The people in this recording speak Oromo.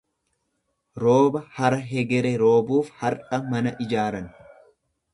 Rooba hara hegere roobuuf har'a mana ijaaran.